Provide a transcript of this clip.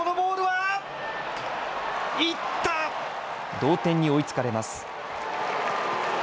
同点に追いつかれます。